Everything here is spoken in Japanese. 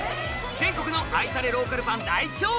全国の愛されローカルパン大調査！